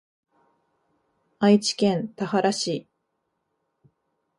愛知県田原市